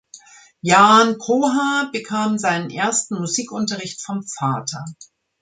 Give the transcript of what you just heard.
Jaan Koha bekam seinen ersten Musikunterricht vom Vater.